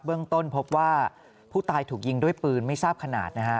เรื่องต้นพบว่าผู้ตายถูกยิงด้วยปืนไม่ทราบขนาดนะฮะ